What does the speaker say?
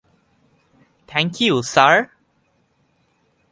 Thank you, sir?